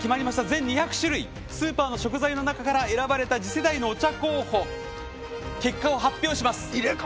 全２００種類スーパーの食材から選ばれた次世代のお茶候補の結果を発表します。